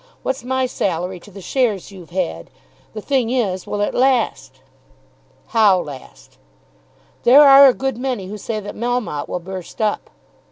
What's my salary to the shares you've had? The thing is; will it last?" "How last?" "There are a good many who say that Melmotte will burst up."